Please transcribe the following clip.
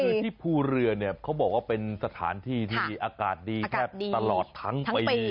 คือที่ภูเรือเนี่ยเขาบอกว่าเป็นสถานที่ที่อากาศดีแทบตลอดทั้งปี